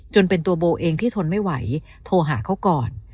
จนเป็นตัวโบเองที่ทนไม่ไหวโทรหาเขาก่อน